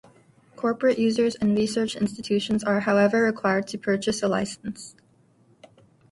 Corporate users and research institutions are however required to purchase a licence.